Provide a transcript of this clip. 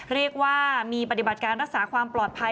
เรียกว่ามีปฏิบัติการรักษาความปลอดภัย